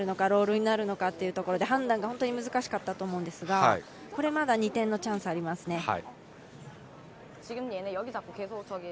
ロールになるのかというところで判断が本当に難しかったと思うんですがこれはまだ２点のチャンスありますね。